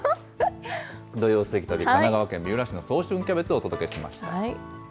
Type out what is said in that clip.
土曜すてき旅、神奈川県三浦市の早春キャベツ、お届けしました。